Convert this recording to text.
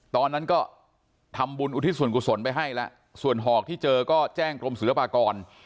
ตอนนั้นก็ทำบุญอุทิศส่วนกุศลไปให้แล้วส่วนหอกที่เจอก็แจ้งกรมศิลปากร